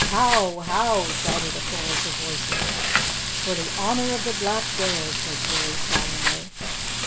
"How! How!" shouted a chorus of voices. "For the Honour of the Black Bears!" said Billy solemnly.